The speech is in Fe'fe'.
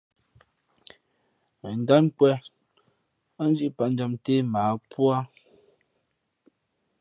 Ghen ndát nkwēn ά dǐʼ pǎtjam nté mα ǎ púá.